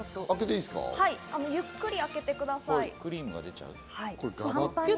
ゆっくり開けてください。